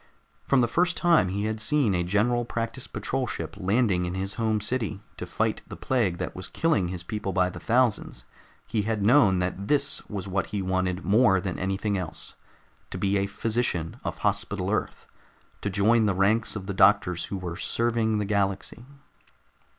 From the first time he had seen a General Practice Patrol ship landing in his home city to fight the plague that was killing his people by the thousands, he had known that this was what he wanted more than anything else: to be a physician of Hospital Earth, to join the ranks of the doctors who were serving the galaxy.